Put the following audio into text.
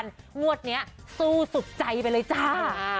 งวดนี้สู้สุดใจไปเลยจ้า